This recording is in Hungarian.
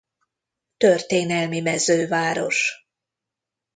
Történelmi mezőváros.